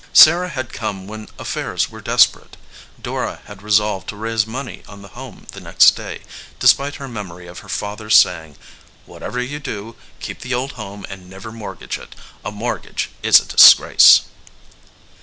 Sarah had come when affairs were desperate. Dora had resolved to raise money on the home the next day, despite her memory of her father s say ing: "Whatever you do, keep the old home and never mortgage it. A mortgage is a disgrace."